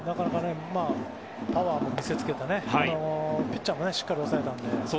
パワーを見せつけてピッチャーもしっかり抑えたので。